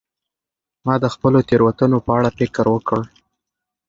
ما د خپلو تیروتنو په اړه فکر وکړ.